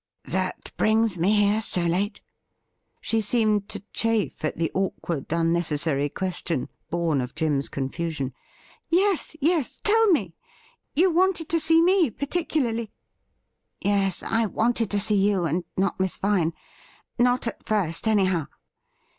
' That brings me here so late ?' She seemed to chafe at the awkward, unnecessary ques tion, born of Jim's confusion, ' Yes, yes, tell me. You wanted to see me particularly ?'' Yes, I wanted to see you, and not Miss Vine — not at first, anyhow.'